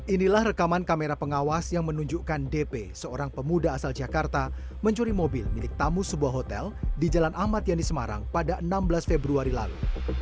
inilah rekaman kamera pengawas yang menunjukkan dp seorang pemuda asal jakarta mencuri mobil milik tamu sebuah hotel di jalan ahmad yani semarang pada enam belas februari lalu